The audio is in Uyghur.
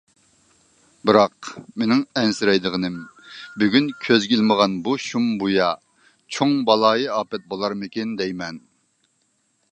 بىراق مېنىڭ ئەنسىرەيدىغىنىم بۈگۈن كۆزگە ئىلمىغان بۇ شۇم بۇيا، چوڭ بالايىئاپەت بولارمىكىن دەيمەن.